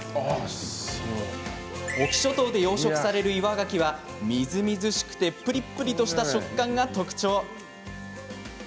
隠岐諸島で養殖される岩ガキはみずみずしくてプリプリとした食感が特徴。